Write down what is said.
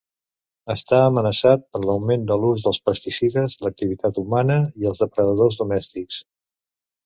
Està amenaçat per l'augment en l'ús dels pesticides, l'activitat humana i els depredadors domèstics.